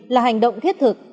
là hành động thiết thực